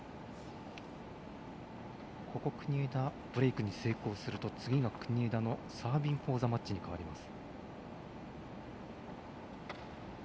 ここ、国枝、ブレークに成功すると次が国枝のサービングフォーザマッチに変わります。